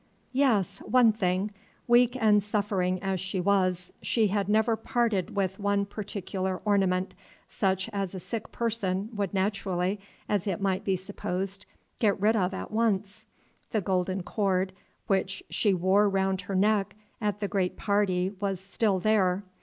Yes, one thing. Weak and suffering as she was, she had never parted with one particular ornament, such as a sick person would naturally, as it might be supposed, get rid of at once. The golden cord which she wore round her neck at the great party was still there.